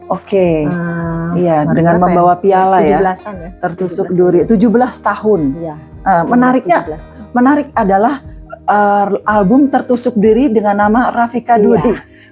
oke dengan membawa piala ya terusuk luri tujuh belas tahun menariknya menarik adalah album terusuk luri dengan nama rafika duri